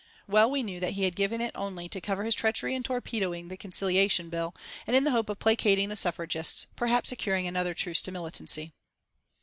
Well we knew that he had given it only to cover his treachery in torpedoing the Conciliation Bill, and in the hope of placating the suffragists, perhaps securing another truce to militancy.